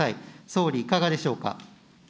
総理、いかがでしょうか。